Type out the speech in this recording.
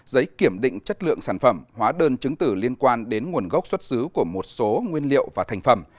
giấy kiểm định chất lượng sản phẩm hóa đơn chứng tử liên quan đến nguồn gốc xuất xứ của một số nguyên liệu và thành phẩm